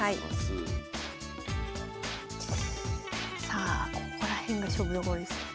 さあここら辺が勝負どころですね。